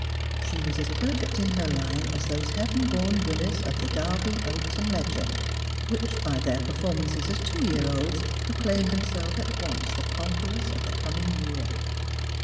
She was as perfect in her line as those heaven born winners of the Derby, Oo.ks, and Leger, which, by their performances as two year olds, proclaim them selves at once the conquerors of the coming year.